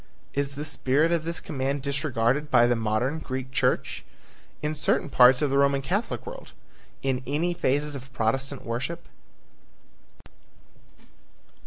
Is the spirit of this command disregarded by the modern Greek church? In certain parts of the Roman Catholic world? In any phases of Protestant worship?